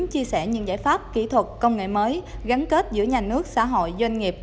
chia sẻ những giải pháp kỹ thuật công nghệ mới gắn kết giữa nhà nước xã hội doanh nghiệp